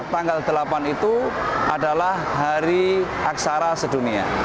tanggal delapan itu adalah hari aksara sedunia